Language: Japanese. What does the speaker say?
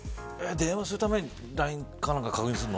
電話するためにＬＩＮＥで確認するの。